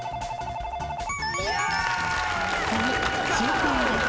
次終点です。